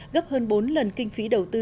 gấp hơn bốn lần kinh phí đầu tư